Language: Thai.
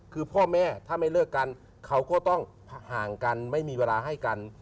คือพ่อแม่ถ้าไม่เลิกกันเขาก็ต้องห่างกันไม่มีเวลาให้กัน